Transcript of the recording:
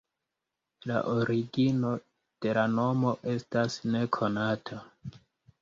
La origino de la nomo estas nekonata.